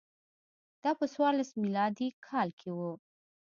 دا په څوارلس میلادي کال کې و